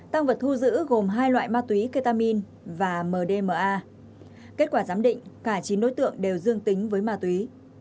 tăng vật thu giữ gồm hai loại ma túy ketamin và mdma kết quả giám định cả chín đối tượng đều dương tính với ma túy